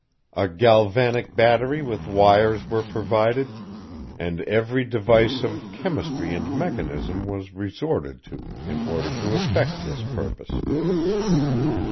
A galvanic battery with wires were provided, and every device of chemistry and mechanism was resorted to in order to effect this purpose.